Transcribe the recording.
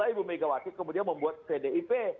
ibu megawati kemudian membuat pdip